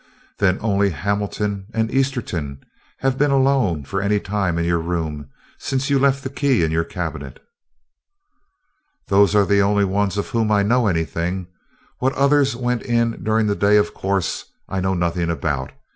"Then only Hamilton and Esterton have been alone for any time in your room since you left the key in your cabinet?" "Those are the only ones of whom I know anything. What others went in during the day, of course, I know nothing about.